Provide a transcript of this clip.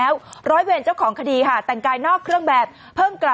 ปรากฏว่าสิ่งที่เกิดขึ้นคลิปนี้ฮะ